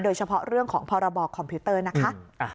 โดยเฉพาะเรื่องของพรบคอมพิวเตอร์นะคะ